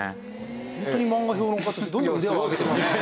ホントに漫画評論家としてどんどん腕を上げてますね。